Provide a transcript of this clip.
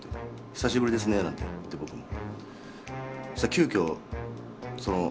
久しぶりですねなんて言って僕も。